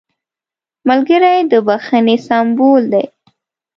ملګری د بښنې سمبول دی